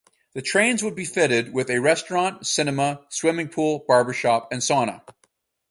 The trains would be fitted with a restaurant, cinema, swimming pool, barbershop and sauna.